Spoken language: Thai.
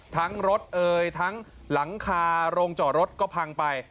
รถเอ่ยทั้งหลังคาโรงจอดรถก็พังไป